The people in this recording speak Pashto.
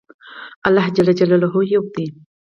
الله یو دی.